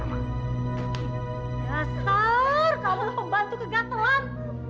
ya star kamu pembantu ke gatelan